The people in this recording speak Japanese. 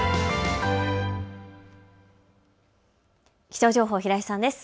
気象情報、平井さんです。